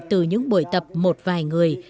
từ những buổi tập một vài người